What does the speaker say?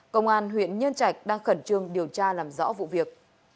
công an huyện nhân trạch đang khẩn trương điều tra làm rõ vụ việc